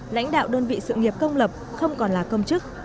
lãnh đạo đơn vị sự nghiệp công lập không còn là công chức